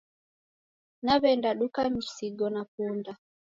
Naw'enda duka misigo na punda